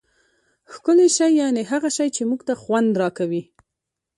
ښکلی شي یعني هغه شي، چي موږ ته خوند راکوي.